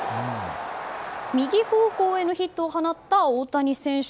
右方向へのヒットを放った大谷選手。